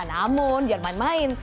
namun jangan main main